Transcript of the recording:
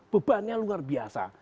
bebannya luar biasa